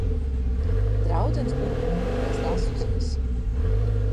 Draudzenes tur buru, es lasu ziņas.